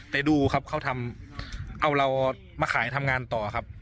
ไปดูครับเขาทำเอาเรามาขายทำงานต่อครับ